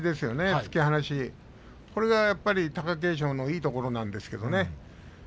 突き放し、これがやっぱり貴景勝のいいところなんですけれどね。